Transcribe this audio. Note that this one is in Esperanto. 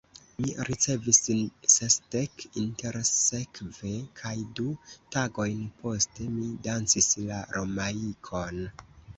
Mi ricevis sesdek intersekve, kaj du tagojn poste, mi dancis la Romaikon.